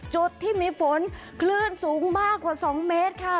จุดที่มีฝนคลื่นสูงมากกว่า๒เมตรค่ะ